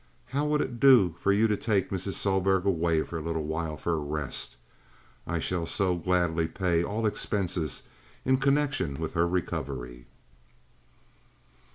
How would it do for you to take Mrs. Sohlberg away for a little while for a rest? I shall so gladly pay all expenses in connection with her recovery."